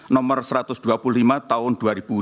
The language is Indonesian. nomor satu ratus dua puluh lima tahun dua ribu dua puluh